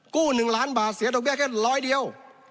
๑ล้านบาทเสียดอกเบี้ยแค่ร้อยเดียว